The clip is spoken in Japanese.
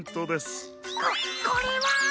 ここれは！